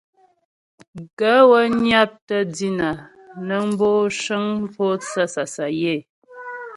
Gaə̂ wə́ nyaptə́ dínà nəŋ bu cəŋ mpótsə́ sasayə́.